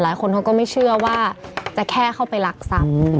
หลายคนเขาก็ไม่เชื่อว่าจะแค่เข้าไปรักซัก